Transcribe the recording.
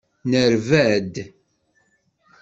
Nerba-d.